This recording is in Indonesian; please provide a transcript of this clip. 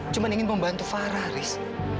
cuma ingin membantu farah riz